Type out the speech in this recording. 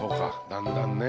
だんだんね。